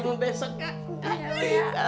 kalo besok kak